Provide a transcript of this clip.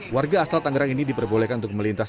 warga asal tangerang ini diperbolehkan untuk melintas